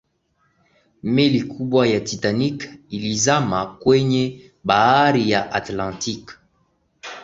meli kubwa ya titanic ilizama kwenye bahari ya atlantic